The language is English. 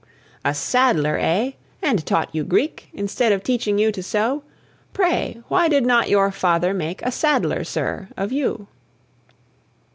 "A saddler, eh! and taught you Greek, Instead of teaching you to sew! Pray, why did not your father make A saddler, sir, of you?"